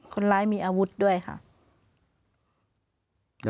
คนร้ายมีอาวุธด้วยค่ะ